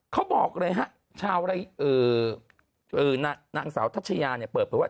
เขาบอกเลยนางสาวทัชญาเปิดไปว่า